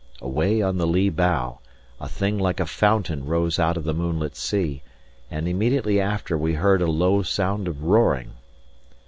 Away on the lee bow, a thing like a fountain rose out of the moonlit sea, and immediately after we heard a low sound of roaring.